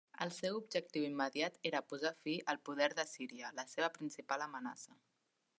El seu objectiu immediat era posar fi al poder d'Assíria, la seva principal amenaça.